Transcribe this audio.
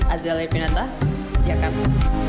azaleh pinata jakarta